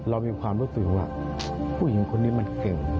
เรามีความรู้สึกว่าผู้หญิงคนนี้มันเก่ง